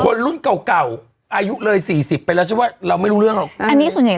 รุ่นเก่าเก่าอายุเลยสี่สิบไปแล้วฉันว่าเราไม่รู้เรื่องหรอกอันนี้ส่วนใหญ่